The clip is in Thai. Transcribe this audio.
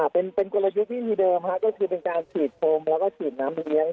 เป็นกลยุทธ์วิธีเดิมก็คือเป็นการฉีดโฟมแล้วก็ฉีดน้ำเลี้ยง